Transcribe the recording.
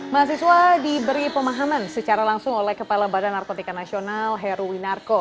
mahasiswa diberi pemahaman secara langsung oleh kepala badan narkotika nasional heruwinarko